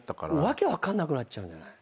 訳分かんなくなっちゃうんじゃない？